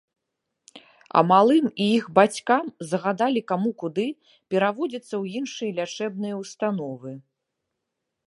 А малым і іх бацькам загадалі каму куды пераводзіцца ў іншыя лячэбныя ўстановы.